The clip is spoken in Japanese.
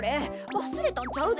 わすれたんちゃうで。